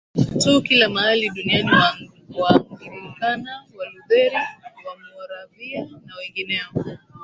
tu kila mahali duniani Waanglikana Walutheri Wamoravia na wengineo